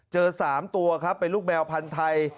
เจอ๓ตัวครับเป็นลูกแมวพันธุ์ไทย